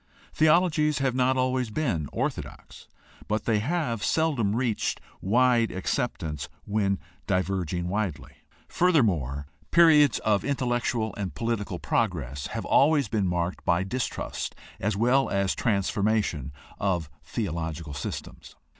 Theologies have not always been orthodox, but they have seldom reached wide acceptance when diverging widely. Furthermore, periods of intellectual and political progress have always been marked by distrust as well as transformation of theological systems.